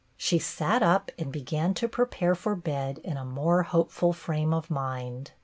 She sat up and began to prepare for bed in a more hope ful frame of mind.